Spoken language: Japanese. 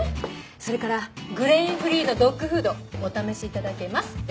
それからグレインフリーのドッグフードお試し頂けますって。